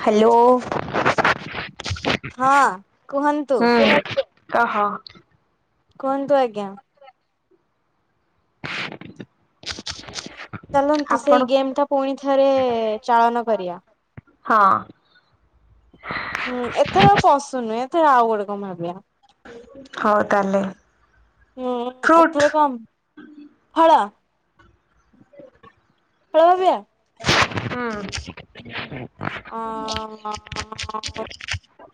Hello ହଁ କୁହନ୍ତୁ ହୁଁ। କହ। କୁହନ୍ତୁ ଆଜ୍ଞା। ଚାଲନ୍ତୁ ସେଇ ଆପଣ ଗେମ ଟା ପୁଣି ଥରେ ଚାଳନ କରିବା। ହଁ। ହୁଁ ଏଥର ଆଉ ପଶୁନୁ ଏଥର ଆଉ ଗୋଟେ କଣ ଭାବିବା। ହଉ ତାହେଲେ ହୁଁ ଫ୍ରୁଟ୍ ଏଥର କ ଫଳ। ଫଳ ଭାବିବା ହୁଁ। ହ [unintelligible]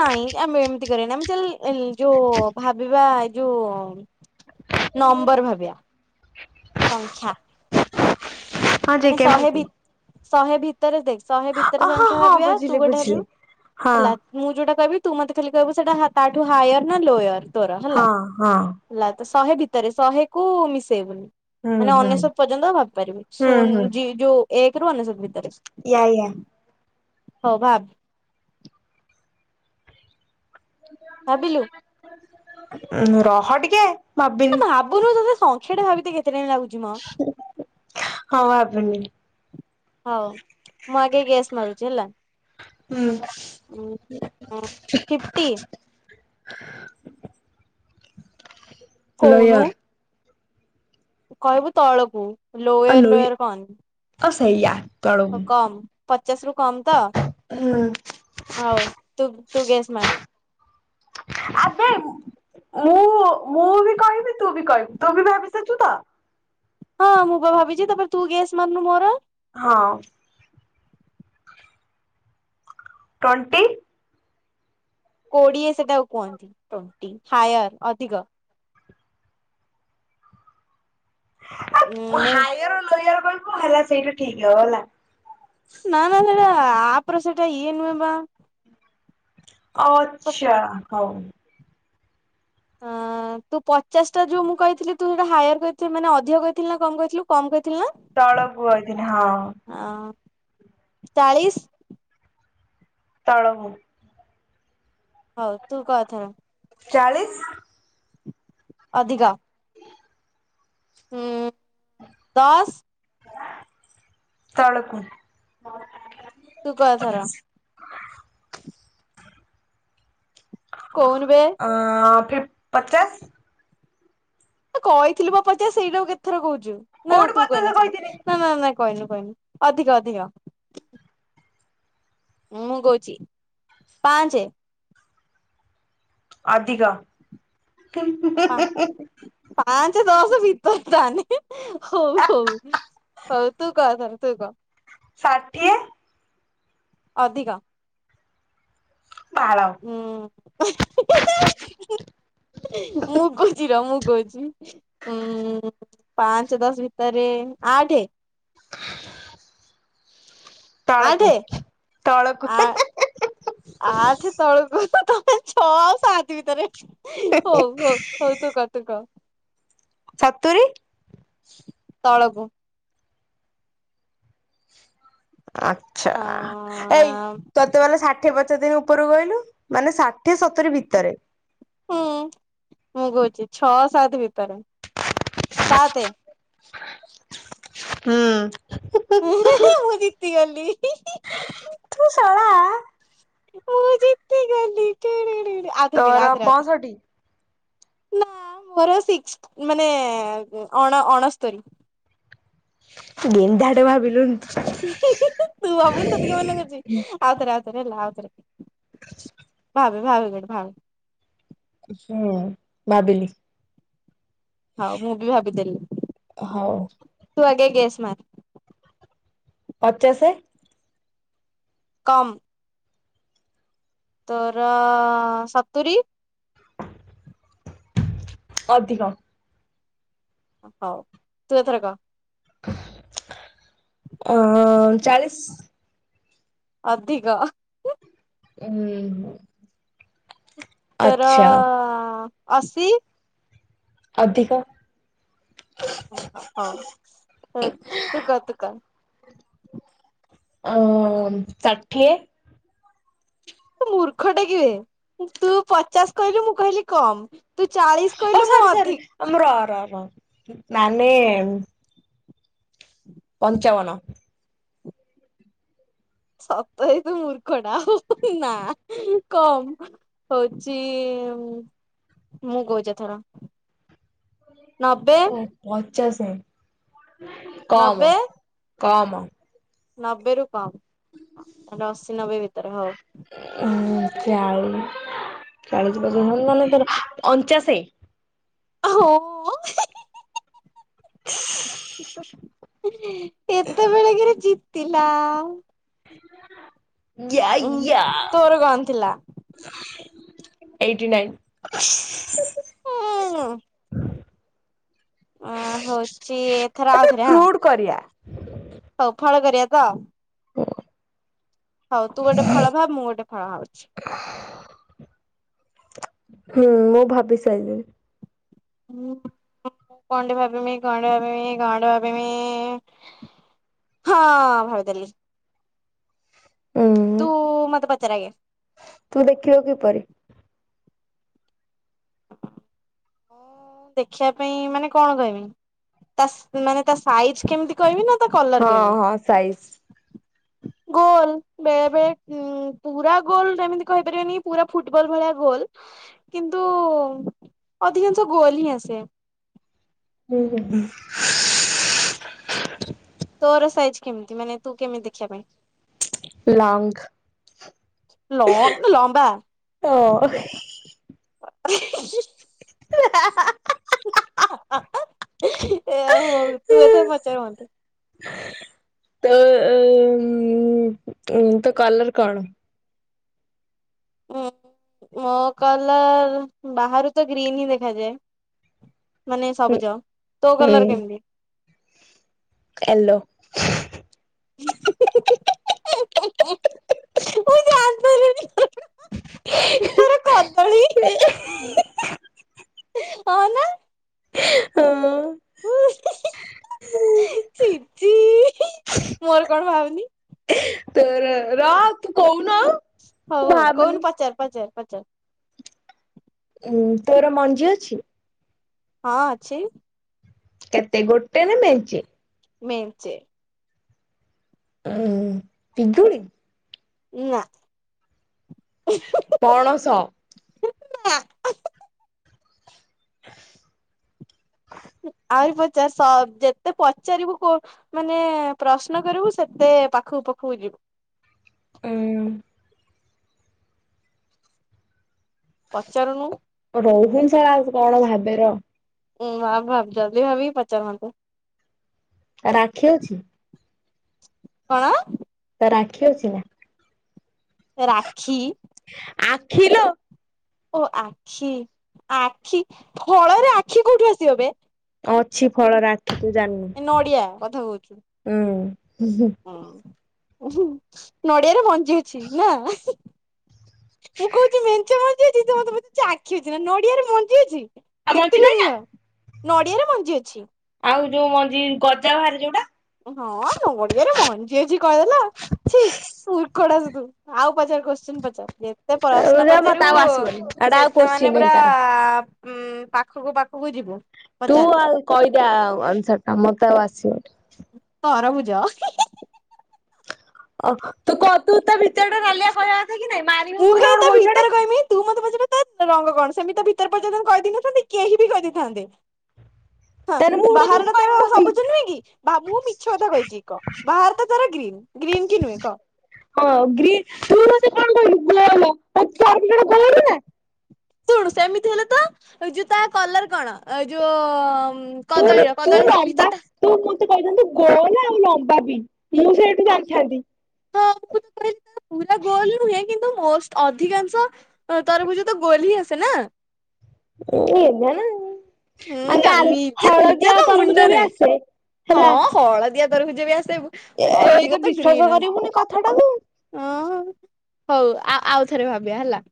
ନାଇଁ ଆମେ ଏମିତି କରିବାନି। ଆମେ ଚାଲ ଯୋଉ ଭାବିବା ଏ ଯୋଉ ନମ୍ବର ଭାବିିବା। [inaudible] ସଂଖ୍ୟା। ହଁ ଯେ ମାନେ ଶହେ ଭି କେମିତି? ଶହେ ଭିତରେ ଦେଖ୍ ଶହେ ଭିତରେ ଓ ହଁ ସଂଖ୍ୟା ହଁ ଭାବିବା। ଆ ତୁ ବୁଝିଲି ଗୋଟେ ହେବ ବୁଝିଲି ହଁ ହେଲା ମୁଁ ଯୋଉଟା କହିବି ତୁ ମତେ ଖାଲି କହିବୁ ସେଇଟା ତାଠୁ ହାୟର ନା ଲୋୟର ତୋର ହେଲା। ହଁ ହଁ ହେଲା ତ ଶହେ ଭିତରେ ଶହେ କୁ ମିଶେଇବୁନି। ହୁଁ ମାନେ ହୁଁ ଅନେଶ୍ୱତ ପର୍ଯ୍ୟନ୍ତ ଭାବିପାରିବୁ। ହୁଁ ସୁନ ହୁଁ ଯି ଯଉ ଏକ ରୁ ଅନେଶ୍ବତ ଭିତରେ। ୟା ୟା। ହଉ ଭାବ। ଭାବିଲୁ? ହୁଁ ରହ ଟିକେ ଭାବି ଭାବୁନୁ ତତେ ସଂଖ୍ୟା ଟା ଭାବିତେ କେତେ ଟାଇମ ଲାଗୁଚି ମ। ହଉ ଭାବିଲି। ହଉ, ମୁଁ ଆଗେ ଗେସ ମାରୁଛି ହେଲା? ହୁଁ ଫିଫଟି। କହୁନୁ ଲୋୟର। କହିବୁ ତଳକୁ, ଲୋୟର ଲୋୟର କଣ? ହଁ ସେୟା ହଉ କମ, ପଚାଶ ରୁ କମ ତ, ହୁଁ ହଉୁ ତ ତୁ ଗେସ୍ ମାର। ଆବେ ମୁଁ, ମୁଁ ବି କହିବି ତୁ ବି କହିବୁ, ତୁ ବି ଭାବିସାରଛୁ ତ? ହଁ ମୁଁ ବା ଭାବିଛି ତାପରେ ତୁ ଗେସ୍ ମାରୁନୁ ମୋର। ହଁ। ଟ୍ୱେଣ୍ଟି। କୋଡିଏ ସେଟା କୁହନ୍ତି, ଟ୍ବେଣ୍ଟି, ହାୟର ଅଧିକ। ଆ ମୁଁ ହାୟର ଲୋୟର କହିବୁ ହେଲା ସେଇଟା ଠିକ ହବ ହେଲା। ନା ନା ସେଟା ଆପର ସେଟା ଇଏ ନୁହଁ ବା। ତ ଆଛା ହଉ। ହ [inaudible] ଅଁ ତୁ ପଚାଶ ଟା ଯୋଉ ମୁଁ କହିଥିଲି ତୁ ସେଟା ହାୟର କହିଥିଲ ମାନେ ଅଧିକ କହିଥିଲୁ ନା କମ କହିଥିଲୁ କମ କହିଥିଲୁ ନା? ତଳକୁୁ କହିଥିଲି ହଁ। ହଁ ଚାଳିଶ। ତଳକୁ। ହଉ ତୁ କହ ଏଥର। ଚାଳିଶ। ଅଧିକ। ହଁ ଦଶ। ତଳକୁ। ତୁ କହ ଏଥର। କହୁନୁ ବେ। ଅ ଫିପ ପଚାଶ। କହିଥିଲୁ ବା ପଚାସ, ସେଇଟା ଆଉ କେତଥର କହୁଛୁ, ନା ନା କୋଉଠି ତୁ ପଚାଶ କହିନଥିଲୁ କହିଥିଲି ନା ନା ନା କହିନୁ କହିନୁ ଅଧିକ ଅଧିକ ମୁଁ କହୁଛି, ପାଞ୍ଚ। ଅଧିକ। ପାଞ୍ଚ ଦସ ଭିତରେ ତାନେ ହଉ ହଉ। ହଉ ତୁ କ ଏଥର ତୁ କ। ଷାଠିଏ। ଅଧିକ। ! ! ! ! ! ! ! ! ! ! ହୁଁ ମୁଁ କହୁଛି ରହ, ମୁଁ କହୁଛି। ଉଁ ପାଞ୍ଚ ଦଶ ଭିତରେ ଆଠ। [unintelligible] ଆଠେ ତଳକୁ ତଳକୁ ଆ ଆଠ ତଳକୁ ତମେ ଛଅ ଆଉ ସାତ ଭିତରେ ହଉ ହଉ ହଉ ତୁ କ ତୁ କ। ସତୁରି। ତଳକୁ। ଆଛା ହଁ ଏଇ ତୋତେ ପାଲ ଷାଠିଏ ପଚାରି ଥିନି ଉପରକୁ କହିଲୁ, ମାନେ ଷାଠିଏ ସତୁୁରି ଭିତରେ। ହୁଁ ମୁଁ କହୁଛି ଛଅ ସାତ ଭିତରେ, ସାତେ। ହୁଁ। ହୁଁ ମୁଁ ଜିତିଗଲି। ତୁ! ! ! ! ! ! ! ! ! ! ମୁଁ ଜିତିଗଲି ଟୁଡୁ ଡୁ ଡୁ ଆଉ ଥରେ ତୋର କରିବା ଆଉ ଥରେ ଆଉ ଥରେ। ପଞ୍ଚଷଠି ନା ମୋର ସିକ୍ ଥ ମାନେ ଅଣ-ଅଣସ୍ତୋରୀ। ଗେନ୍ଧାଟେ ଭାବିଲୁନି ତୁ ହିଁ ହିଁ ହିଁ ତୁ ଭାବୁନୁ ତତେ କିଏ ମନା କରୁଚି ଆଉଥରେ ଆଉଥରେ ହେଲା ଆଉଥରେ। [unintelligible] ଭାବେ ଭାବେ ଗୋଟେ ଭାବେ ହୁଁ ଭାବିଲି। ହଉ ମୁଁ ବି ଭାବିଦେଲିି ହଉ ତୁ ଆଗେ ଗେସ୍ ମାର୍। ପଚାସେ। କମ୍। ତୋର ସତୁରୀ। ଅଧିକ। ହଉ ତୁ ଏଥର କ। ଅଁ ଚାଳିଶ୍। ଅଧିକ। ଉଁ ତୋର ଆଚ୍ଛା ଅଶି। ଅଧିକ। [unintelligible] ହଉ ତୁକ ତୁକ। ଅ ଷାଠିଏ। ତୁ ମୂର୍ଖ ଟେ କିବେ ତୁ ପଚାଶ କହିଲୁ ମୁଁ କହିଲି କମ୍ ତୁ ଚାଳିଶ ଓ କହିଲୁ ମୁଁ ସରି ସରି ଅଧିକ। [unintelligible] ର ର ର ମାନେ ପଞ୍ଚାବନ। ସତରେ ତୁ ମୂର୍ଖ ଟା ହଉ ନା କମ୍ ହଉଚି ମୁଁ କହୁଚି ଏଥର। ନବେ [unintelligible] ପଚାଶେ ନବେ କମ କମ। ନବେ ରୁ କମ୍ ଅଶୀ ନବେ ଭିତରେ ହଉ। ଉଁ ହୁଁ ଚାଳି [unintelligible] ତର ଅଞ୍ଚାଶେ। ହଁ। ହୁଁ ହୁଁ। ଏତେବେଳେ କେରେ ଜିତିଲା। ୟା ଉଁ ୟା। ତୋର କଣ ଥିଲା? Eighty nine. ଓଁ ଉଁ ହଉଚି ଏଥର ଆଉଥରେ ହଁ। କରିଆ। ହଉ ଫଳ କରିବା ତ। ହୁଁ। ହଉ ତୁ ଗୋଟେ ଫଳ ଭାବେ ମୁଁ ଗୋଟେ ଫଳ ଭାବୁଛି। ହୁଁ ମୁଁ ଭାବି ସାଇଲିଣି। ହୁଁ କଣ୍ଟେ ଭାବିମି କଣ୍ଟେ ଟେ ଭାବିମି କଣ୍ଟେ ଟେ ଭାବିମି? ହଁ ଭାବିଦେଲି ଉଁ ତୁ ମତେ ପଚାରେ ଆଗେ। ତୁ ଦେଖିଲୁ କିପରି? [inaudible] ମୁଁ ଦେଖିବା ପାଇଁ ମାନେ କଣ କଇମି ତା ମାନେ ତା ସାଇଜ କେମିତି କଇମି ନା ତା କଲର ହଁ କଇମି ହଁ ସାଇଜ। ଗୋଲ୍। ବେଳେ ବେଳେ ଉଁ ପୁରା ଗୋଲ ହେମିତି କହିପାରିବାନି ପୁରା ଫୁଟବଲ ଭଳିଆ ଗୋଲ। କିନ୍ତୁ ଅଧିକାଂଶ ଗୋଲ୍ ହିଁ ଆସେ। ହୁଁ ହୁଁ ହୁଁ। ତୋର ସାଇଜ୍ କେମିତି ମାନେ ତୁ କେମିତି ଦେଖିଆ ପାଇଁ? ଲଙ୍ଗ। ଲଙ୍ଗ ଲମ୍ବା। ହଁ ହା ହା ହା। ଏ ହଉ ତୁ ଏଥର ପଚାର୍ ମତେ? ତୋ ଓ ଉଁ ତୋ କଲର କଣ? ଉଁ ମୋ କଲର ବାହାରୁ ତ ଗ୍ରୀନ୍ ହିଁ ଦେଖାଯାଏ। ମାନେ ସବୁଜ ତୋ କଲର କେମିତି? ଏଲୋ। ମୁଁ ଜାଣିସାରିଲିଣି। ତୋର କଦଳୀ। ହଁ ନା। ହଁ। ଛି ଛି ମୋର କଣ ଭାବେନି? ତୋର ର ତୁ କଉନୁ ଆଉ ହଉ ହଉ ଭାବୁନି। କହୁନୁ ପଚାର୍ ପଚାର୍ ପଚାର୍? ଉଁ ତୋର ମଞ୍ଜି ଅଛି। ହଁ ଅଛି। କେତେ ଗୋଟେ ନା ମେଞ୍ଚେ? ମେଞ୍ଚେ। ଉଁ ପିଜୁଡି। ନା। ପଣସ। [unintelligible] ଆହୁରି ପଚାର ସ ଯେତେ ପଚାରିବୁ କୋ ମାନେ ପ୍ରଶ୍ନ କରିବୁ ସେତେ ପାଖକୁ ପାଖକୁ ଯିବୁ? ହୁଁ। ପଚାରୁନୁ ରହିଥା କଣ ଭାବିବା ଆଉ ଉଁ ଭାବ ଭାବି ଜଲଦି ଭାବିକି ପଚାରନ୍ତୁ? ରାକ୍ଷୀ ଅଛି। କଣ? ତ ରାକ୍ଷୀ ଅଛି ନା? ରାକ୍ଷୀ। ଆଖି ଲୋ ଓ ଆଖି ଆଖି ଫଳରେ ଆଖି କୋଉଠୁ ଆସିିବବେ? ଅଛି ଫଳ ଆଖି ତୁ ନଡିଆ କଥା କହୁଛୁ। ଜାଣିନୁ ହୁଁ। ହଁ ନଡିଆରେ ମଞ୍ଜି ଅଛି ନା? ମୁଁ କହୁଛି ମେଞ୍ଚା ମଞ୍ଜି ଅଛି ତୁ ମତେ ପାଚରୁଛୁ ଆଖି ଅଛି ନା ନଡିଆରେ ମଞ୍ଜି ଅଛି? ଆଉ ମଞ୍ଜି ଦେଖିଥିଲୁ ନାହିଁ ତୁ ନା? ଶଳା ନଡିଆରେ ମଞ୍ଜି ଅଛି। ଆଉ ଯୋଉ ମଞ୍ଜି ଗଜା ବାହାରେ ଯୋଉଟା। ହଁ ନଡିଆରେ ମଞ୍ଜି ଅଛି କହିଦେଲା? ଛି ମୁର୍ଖଦାସ ତୁ ଆଉ ପଚାରେ କୋଶ୍ଚିନ୍ ପଚାର? ଯେତେ ପ୍ରଶ୍ନ ଏଗୁରା ମତେ ପଚାରିବୁ ଆଉ ଆସିବନି ଏଟା ଆଉ ସେତେ କୋଶ୍ଚିନ୍ ମାନେ ନାହିଁ ପରା ତାର। ଉଁ ପାଖକୁ ପାଖକୁ ଯିବୁ ତୁ ପଚାର? ଆଉ କହିଦେ ଆଉ ଆନ୍ସରଟା ମତେ ଆଉ ଆସିବନି। ତରଭୁଜ। ଅ ତୁ କ ତୁ ତ ଭିତରଟା ନାଲିଆ [inaudible] ମାରି ମୁଁ ହଉଛୁ ନା କାଇଁ କଣ ତା କହିଛୁ ଗୋଟେ? ଭିତର କହିମି? ତୁ ମତେ ପଚାରିଲୁ ତା ରଙ୍ଗ କଣ ସେମିତି ଭିତର ପଚାରିଥିଲେ ମୁଁ କହିଦେଇ ନଥାନ୍ତି କେହି ବି କହିଦେଇଥାନ୍ତେ। ହୁଁ। ହଁ ବାହାର ଟା ତାର ସବୁଜ ନୁହେଁ କି ବା ମୁଁ ମିଛ କଥା କହିଚି କି କହ ବାହାର ଟା ତ ତାର ଗ୍ରୀନ୍। ଗ୍ରୀନ୍ କି ନୁହେଁ କହ। ହଁ ଗ୍ରୀନ୍ ତୁ ମୋତେ କଣ କହିଲୁ [unintelligible] କହିଲୁ ନା। ଶୁଣୁ ସେମିତି ହେଲେ ତ ଏ ଯୋଉ ତା କଲର କଣ ଏ ଯୋଉ ତୁ କଦଳୀର ତୁ କଦଳୀ ଲମ୍ବା ଭିତର ଟା ତୁ ମତେ କହିଥାନ୍ତୁ ଗୋଲ ନା ଆଉ ଲମ୍ବା ବି ମୁଁ ସେଇଠୁ ଜାଣିଥାନ୍ତି। ହଁ ମୁଁ ତ [inaudible] କହିଲି ପୁରା ଗୋଲ ନୁହେଁ କିନ୍ତୁ ମୋଷ୍ଟ ଅଧିକାଂଶ ତରଭୁଜ ତ ଗୋଲ ହିଁ ଆସେ ନା। ଏଇ [unintelligible] ନା। ଆ ହୁଁ ତାର ନିଜେ ନିଜେ ହଳଦିଆ ତ ତରଭୁଜ ମୁଣ୍ଡ ବି ନାହିଁ ଆସେ ହେଲା। ହଁ ହଳଦିଆ ତ ର ଭୁଜ ବି ଆସିବୁ। ଏ ଏଇତ ବିଶ୍ଵାସ କରିବୁନି କଥାଟାକୁ। ହଁ ହଉ ଆ ଆଉଥରେ ଭାବିବା ହେଲା।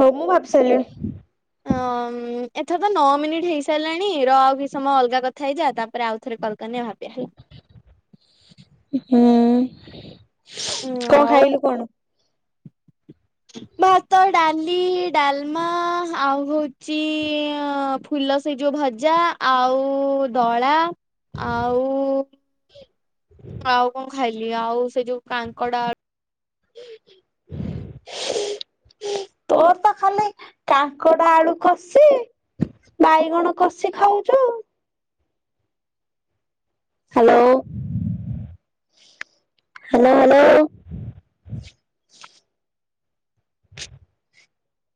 ହଉ ମୁଁ ଭାବିସାରିଲିଣୀ। ହଁ ଏଥର ତ ନଅ ମିନିଟ୍ ହେଇସାରିଲାଣି ର ଆଉ କି ସମୟ ଅଲଗା କଥା ହେଇଯା ତାପରେ ଆଉଥ କଲ କରିନି ଭାବିବା ହେଲା। ହୁଁ ଉଁ କଣ ଆଉ ଖାଇଲୁ କଣ? ଭାତ ଡାଲି ଡାଲମା ଆଉ ହଉଚି ଅ ଫୁଲ ସେଇ ଯୋଉ ଭଜା ଆଉ ଦଳା। ଆଉ ଆଉ କଣ ଖାଇଲି ଆଉ ସେ ଯୋଉ କାଙ୍କଡା ଆ ତୋର ତ ଖାଲି ମାନେ କାଙ୍କଡ ଆଳୁ କଷି ବାଇଗଣ କଷି ଖାଉଚୁ। Hello hello hello. [inaudible]